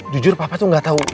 jujur papa itu nggak tahu